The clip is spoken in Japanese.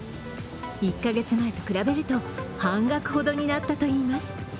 １カ月前と比べると半額ほどになったといいます。